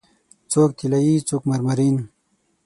څوک طلایې، څوک مرمرین